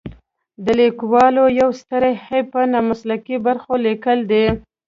د لیکوالو یو ستر عیب په نامسلکي برخو لیکل دي.